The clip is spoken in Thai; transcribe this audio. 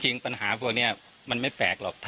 จริงปัญห้าพวกนี้ก็ไม่แปลกหรอก